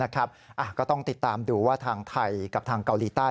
ก็ต้องติดตามดูว่าทางไทยกับทางเกาหลีใต้